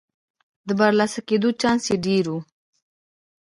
د برلاسه کېدو چانس یې ډېر و.